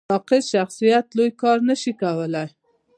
ناقص شخصیت لوی کار نه شي کولی.